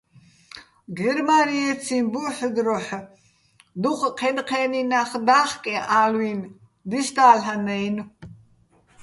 გერმა́ნიეციჼ ბუჰ̦ დროჰ̦ დუჴ ჴენ-ჴე́ნი ნახ და́ხკეჼ ალვინ დისდა́ლ'ანაჲნო̆.